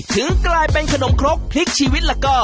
ถึงกลายเป็นขนมครกพลิกชีวิตแล้วก็